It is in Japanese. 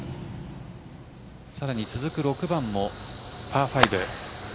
さらに続く６番もパー５。